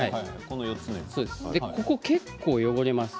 ここ結構、汚れます。